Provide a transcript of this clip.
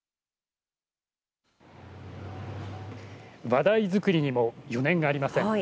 話題作りにも余念がありません。